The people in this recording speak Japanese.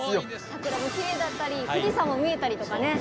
桜もきれいだったり富士山も見えたりとかね。